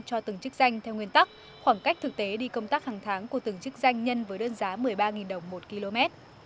cho từng chức danh theo nguyên tắc khoảng cách thực tế đi công tác hàng tháng của từng chức danh nhân với đơn giá một mươi ba đồng một km